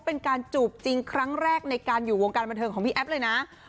เป็นการจูบจริงครั้งแรกในการอยู่วงการบันเทิงของพี่แอฟเลยนะ